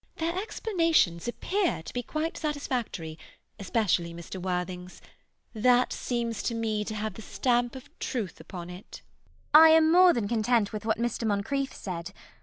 ] Their explanations appear to be quite satisfactory, especially Mr. Worthing's. That seems to me to have the stamp of truth upon it. CECILY. I am more than content with what Mr. Moncrieff said.